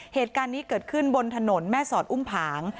เหตุการณ์นี้เกิดขึ้นบนถนนแม่สอดอุ้มผาง